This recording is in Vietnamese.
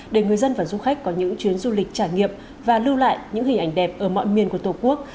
để người dân và du khách có những chuyến du lịch trải nghiệm và lưu lại những hình ảnh đẹp ở mọi miền của tổ quốc